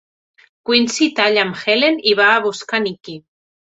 Quincy talla amb Helen i va a buscar Nicky.